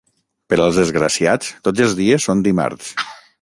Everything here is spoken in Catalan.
Per als desgraciats tots els dies són dimarts.